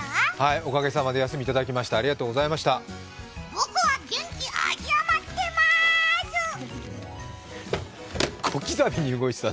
おかげさまで休みいただきました、ありがとうございました。